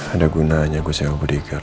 ada gunanya gue seorang buddhikar